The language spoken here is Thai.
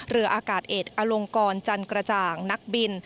เรืออากาศเอกอลงกรจันกระจ่างนักบิน